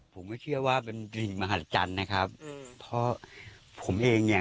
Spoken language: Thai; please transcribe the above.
ผมก็เชื่อว่าเป็นสิ่งมหัศจรรย์นะครับอืมเพราะผมเองเนี่ย